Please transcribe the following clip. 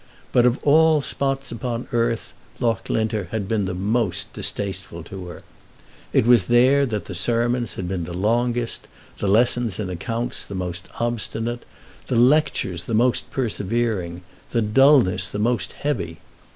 But, of all spots upon earth, Loughlinter had been the most distasteful to her. It was there that the sermons had been the longest, the lessons in accounts the most obstinate, the lectures the most persevering, the dullness the most heavy.